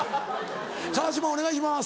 川島お願いします。